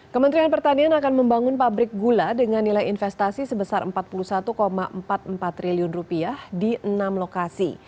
kementerian pertanian akan membangun pabrik gula dengan nilai investasi sebesar rp empat puluh satu empat puluh empat triliun di enam lokasi